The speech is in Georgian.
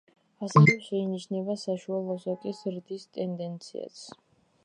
ასევე შეინიშნება საშუალო ასაკის ზრდის ტენდენციაც.